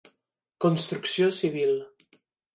Construcció civil.